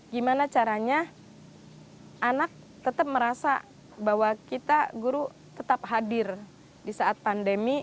gimana caranya anak tetap merasa bahwa kita guru tetap hadir di saat pandemi